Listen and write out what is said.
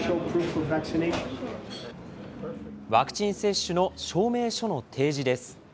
ワクチン接種の証明書の提示です。